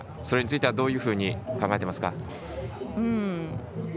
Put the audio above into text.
それについてはどういうふうに考えていますか。